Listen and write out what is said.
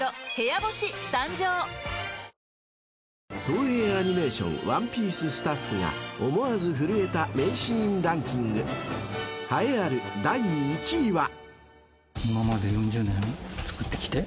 ［東映アニメーション『ワンピース』スタッフが思わず震えた名シーンランキング栄えある第１位は］